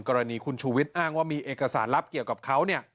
กรณีคุณชูวิทย์อ้างว่ามีเอกสารลับเกี่ยวกับเขา